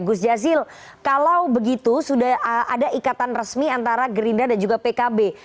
gus jazil kalau begitu sudah ada ikatan resmi antara gerindra dan juga pkb